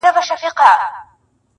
• زموږ له کورونو سره نژدې -